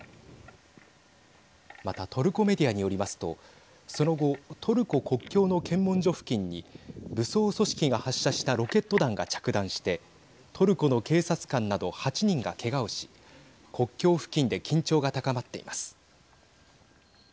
またトルコメディアによりますとその後トルコ国境の検問所付近に武装組織が発射したロケット弾が着弾してトルコの警察官など８人がけがをし国境付近で緊張が高まっています。